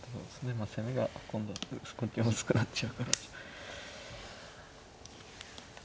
まあ攻めが今度こっちも薄くなっちゃうから。